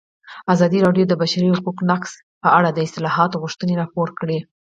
ازادي راډیو د د بشري حقونو نقض په اړه د اصلاحاتو غوښتنې راپور کړې.